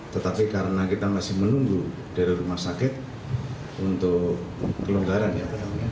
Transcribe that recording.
tetapi karena kita masih menunggu dari rumah sakit untuk kelonggaran ya